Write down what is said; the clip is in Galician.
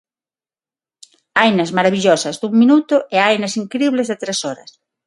Hainas marabillosas dun minuto e hainas incribles de tres horas.